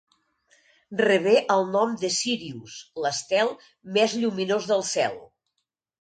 Rebé el nom de Sírius, l'estel més lluminós del cel.